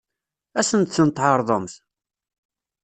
Ad sent-tent-tɛeṛḍemt?